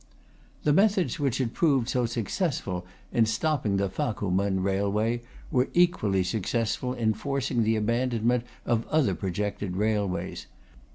"The methods which had proved so successful in stopping the Fa ku men railway were equally successful in forcing the abandonment of other projected railways.